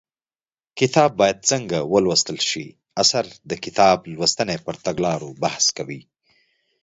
کتاب باید څنګه ولوستل شي اثر د کتاب لوستنې پر تګلارو بحث کوي